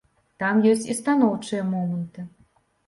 Там ёсць і станоўчыя моманты.